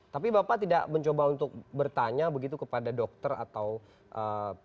tapi bapak tidak mencoba untuk bertanya begitu kepada dokter atau pihak yang memang menangani